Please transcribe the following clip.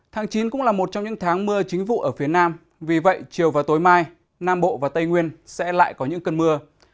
tháng chín cũng là một trong những tháng mưa chính vụ ở phía nam vì vậy chiều và tối mai nam bộ và tây nguyên sẽ lại có những cơn mưa